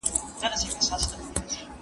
زه هره ورځ ځواب ليکم،